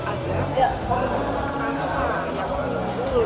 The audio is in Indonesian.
agar keasaan yang lebih menurut bajang toe